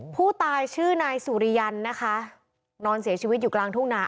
ผู้ตายชื่อนายสุริยันนะคะนอนเสียชีวิตอยู่กลางทุ่งนา